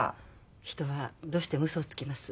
人はどうしてもウソをつきます。